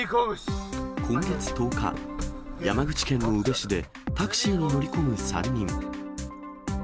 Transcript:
今月１０日、山口県の宇部市で、タクシーに乗り込む３人。